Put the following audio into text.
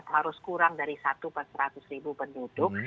harus kurang dari satu perseratus ribu penduduk